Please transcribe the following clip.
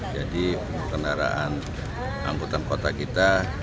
jadi pengendaraan angkutan kota kita